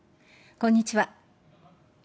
こんにちは。